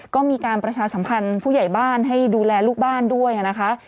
ก็มีการประชาสัมพันธ์ผู้ใหญ่บ้านให้ดูแลลูกบ้านด้วยนะคะ